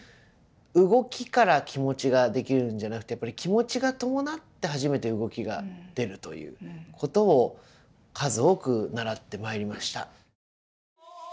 動きから気持ちが出来るんじゃなくてやっぱり気持ちが伴って初めて動きが出るということを数多く習ってまいりました。